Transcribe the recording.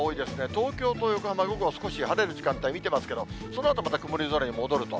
東京と横浜、午後少し晴れる時間帯、見てますけど、そのあとまた曇り空に戻ると。